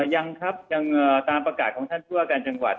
ยังครับยังตามประกาศของท่านผู้ว่าการจังหวัด